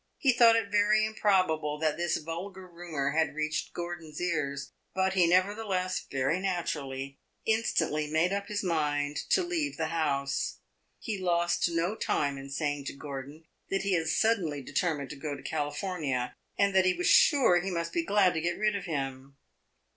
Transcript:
He thought it very improbable that this vulgar rumor had reached Gordon's ears; but he nevertheless very naturally instantly made up his mind to leave the house. He lost no time in saying to Gordon that he had suddenly determined to go to California, and that he was sure he must be glad to get rid of him.